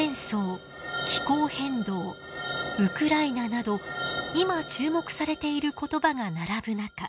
など今注目されている言葉が並ぶ中